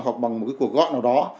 hoặc bằng một cuộc gọi nào đó